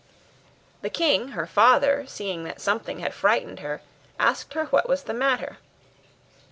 The king, her father, seeing that something had frightened her, asked her what was the matter.